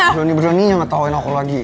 berani beraninya ngetawain aku lagi